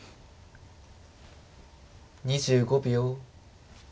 ２５秒。